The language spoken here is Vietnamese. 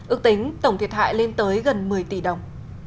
ước tính tổng thiệt hại lên tới gần một mươi tỷ đồng